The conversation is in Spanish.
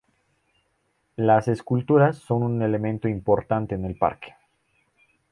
Las esculturas son un elemento importante en el parque.